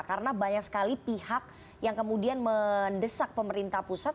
karena banyak sekali pihak yang kemudian mendesak pemerintah pusat